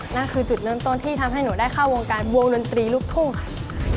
นั่นคือจุดเริ่มต้นที่ทำให้หนูได้เข้าวงการวงดนตรีลูกทุ่งค่ะ